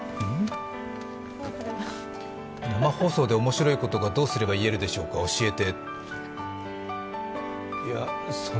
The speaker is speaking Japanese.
生放送でおもしろいことがどうすれば言えるでしょうか、教えて？